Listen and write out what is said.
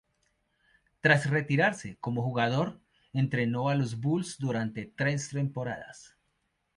Tras retirarse como jugador, entrenó a los Bulls durante tres temporadas.